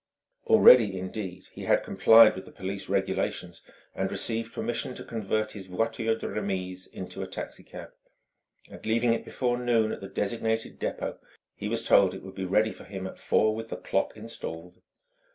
Already, indeed, he had complied with the police regulations, and received permission to convert his voiture de remise into a taxicab; and leaving it before noon at the designated dépôt, he was told it would be ready for him at four with the "clock" installed.